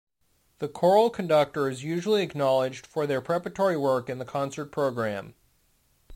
The choral conductor is usually acknowledged for their preparatory work in the concert program.